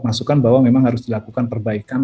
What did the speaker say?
masukan bahwa memang harus dilakukan perbaikan